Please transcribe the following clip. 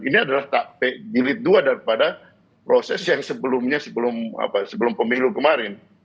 ini adalah taktik jilid dua daripada proses yang sebelumnya sebelum pemilu kemarin